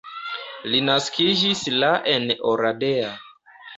Li naskiĝis la en Oradea.